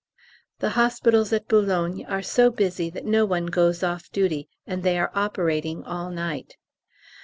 The hospitals at Boulogne are so busy that no one goes off duty, and they are operating all night.